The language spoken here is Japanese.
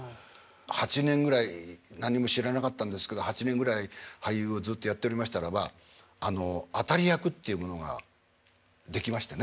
８年ぐらい何も知らなかったんですけど８年ぐらい俳優をずっとやっておりましたらば当たり役っていうものができましてね。